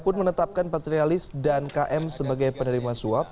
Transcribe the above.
pun menetapkan patrialis dan km sebagai penerima suap